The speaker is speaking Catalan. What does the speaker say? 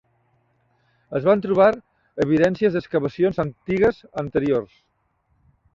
Es van trobar evidències d'excavacions antigues anteriors.